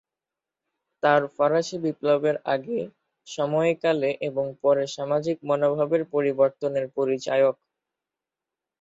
তারা ফরাসি বিপ্লবের আগে, সময়কালে এবং পরে সামাজিক মনোভাবের পরিবর্তনের পরিচায়ক।